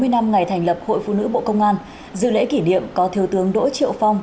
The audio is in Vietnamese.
sáu mươi năm ngày thành lập hội phụ nữ bộ công an dự lễ kỷ niệm có thiếu tướng đỗ triệu phong